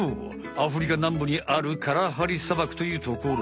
アフリカなんぶにあるカラハリ砂漠というところ。